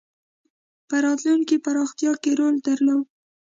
په راتلونکې پراختیا کې رول درلود.